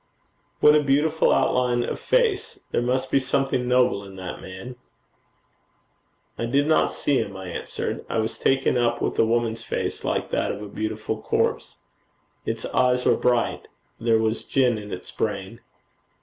'What a beautiful outline of face! There must be something noble in that man.' 'I did not see him,' I answered, 'I was taken up with a woman's face, like that of a beautiful corpse. It's eyes were bright. There was gin in its brain.'